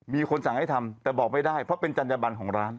มีคนสั่งให้ทำแต่บอกไม่ได้เพราะเป็นจัญญบันของร้าน